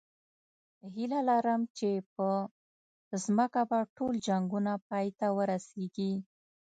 هیله لرم چې په ځمکه به ټول جنګونه پای ته ورسېږي